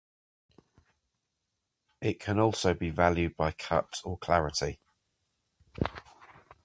It can also be valued by cut or clarity.